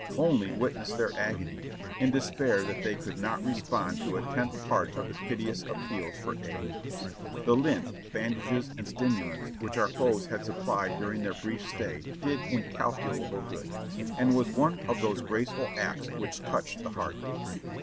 Only witness their agony, in despair that they could not respond to a tenth part of the piteous appeals for aid. The lint, bandages and stimulants which our foes had supplied during their brief stay did incalculable good, and was one of those graceful acts which touched the heart.